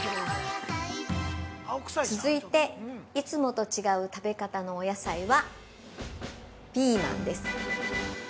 ◆続いて、いつもと違う食べ方のお野菜は、ピーマンです。